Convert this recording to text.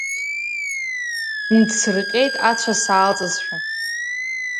Нҭсырҟьеит ацәа саалҵызшәа.